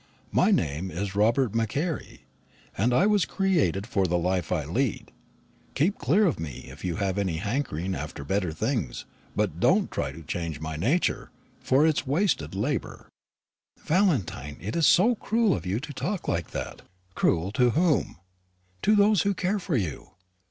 My name is Robert Macaire, and I was created for the life I lead. Keep clear of me if you have any hankering after better things; but don't try to change my nature, for it is wasted labour." "Valentine, it is so cruel of you to talk like that." "Cruel to whom?" "To those who care for you."